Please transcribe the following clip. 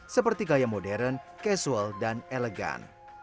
seperti kaya modern casual dan elegan